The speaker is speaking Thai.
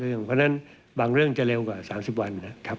เพราะฉะนั้นบางเรื่องจะเร็วกว่า๓๐วันนะครับ